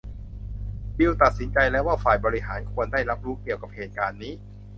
บิลล์ตัดสินใจแล้วว่าฝ่ายบริหารควรได้รับรู้เกี่ยวกับเหตุการณ์นี้